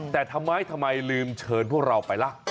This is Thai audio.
แต่ทำไมทำไมลืมเชิญพวกเราไปล่ะ